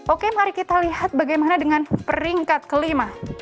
oke mari kita lihat bagaimana dengan peringkat kelima